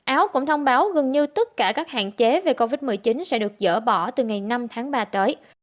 áo cũng thông báo gần như tất cả các hạn chế về covid một mươi chín sẽ được dỡ bỏ từ ngày năm tháng ba tới